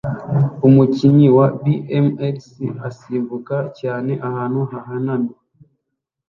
Umukinnyi wa BMX asimbuka cyane ahantu hahanamye